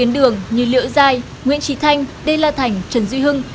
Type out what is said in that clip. đây là thành trần duy hưng